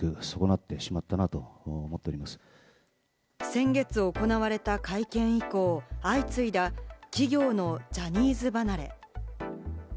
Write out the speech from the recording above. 先月行われた会見以降、相次いだ企業のジャニーズ離れ。